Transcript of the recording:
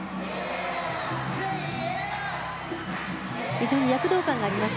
非常に躍動感があります。